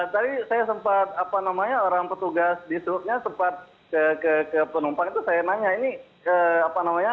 tadi saya sempat apa namanya orang petugas di truknya sempat ke penumpang itu saya nanya ini ke apa namanya